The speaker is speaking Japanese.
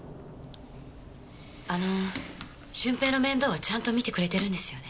あの駿平の面倒はちゃんと見てくれてるんですよね？